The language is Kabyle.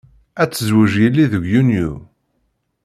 Ad tezweǧ yelli deg Yunyu.